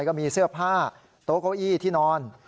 ก็มีเสื้อผ้าโต๊ะเก้าอี้ที่นอน